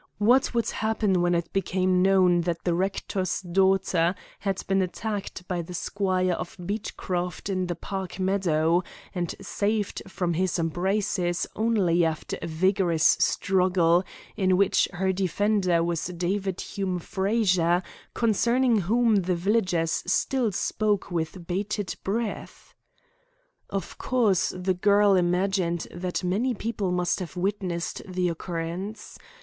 What would happen when it became known that the rector's daughter had been attacked by the Squire of Beechcroft in the park meadow, and saved from his embraces only after a vigorous struggle, in which her defender was David Hume Frazer, concerning whom the villagers still spoke with bated breath? Of course, the girl imagined that many people must have witnessed the occurrence.